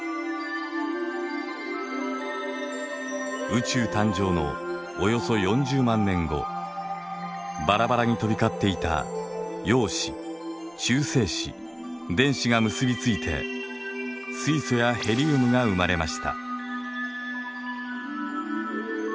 宇宙誕生のおよそ４０万年後バラバラに飛び交っていた陽子中性子電子が結び付いて水素やヘリウムが生まれました。